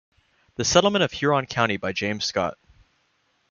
"The Settlement Of Huron County" by James Scott.